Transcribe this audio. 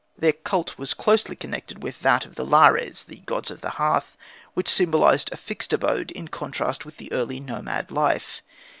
" Their cult was closely connected with that of the Lares the gods of the hearth, which symbolized a fixed abode in contrast with the early nomad life.